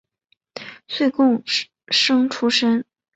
岁贡生出身。